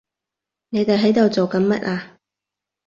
你哋喺度做緊乜啊？